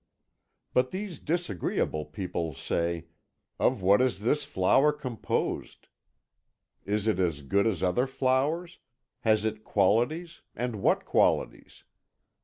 But these disagreeable people say, 'Of what is this flower composed is it as good as other flowers has it qualities, and what qualities?'